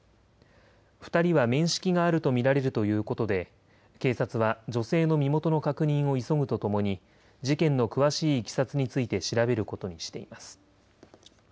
２人は面識があると見られるということで、警察は、女性の身元の確認を急ぐとともに、事件の詳しいいきさつについて調べることにしています。